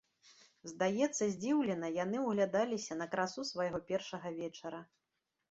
Здаецца, здзіўлена яны ўглядаліся на красу свайго першага вечара.